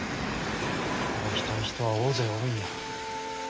働きたい人は大勢おるんや。